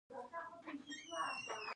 د هغه ښه ژوند کول مو له پامه غورځولي.